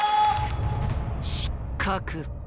失格。